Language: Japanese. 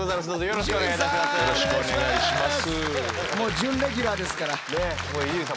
よろしくお願いします。